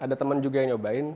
ada teman juga yang nyobain